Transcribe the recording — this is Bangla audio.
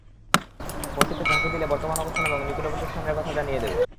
ফোনটিতে ঝাঁকি দিলে বর্তমান অবস্থান এবং নিকটবর্তী স্থানের কথা জানিয়ে দেবে।